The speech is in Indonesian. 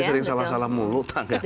sering salah salah mulu tanggal itu